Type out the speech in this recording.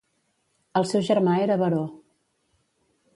El seu germà era baró.